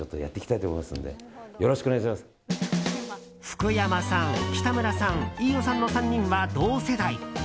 福山さん、北村さん飯尾さんの３人は同世代。